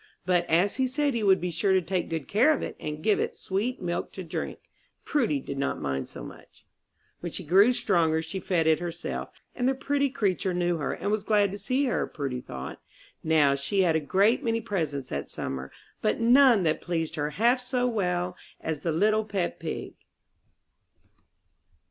But as he said he would be sure to take good care of it, and give it sweet milk to drink, Prudy did not mind so much. When she grew stronger she fed it herself, and the pretty creature knew her, and was glad to see her, Prudy thought. Now she had a great many presents that summer, but none that pleased her half so well as the little pet pig.